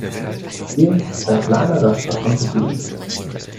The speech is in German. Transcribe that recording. Hier ist ein kleiner Rest davon geblieben.